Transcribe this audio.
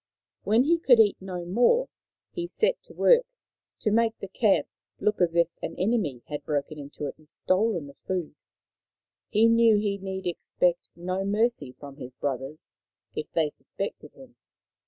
When he could eat no more he set to work to make the camp look as if an enemy had broken into it and stolen the food. He knew he need expect no mercy from his brothers if they suspected him.